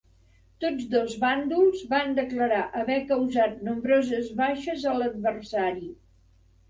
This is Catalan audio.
Tots dos bàndols van declarar haver causat nombroses baixes a l'adversari.